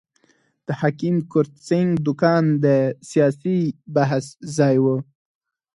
د حکیم کرت سېنګ دوکان د سیاسي بحث ځای وو.